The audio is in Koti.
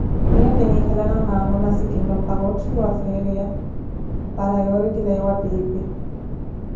Miiyo kiniikhala na maama, masi kinlopaka otthiwa feriya para yoori kilawe wa piipi.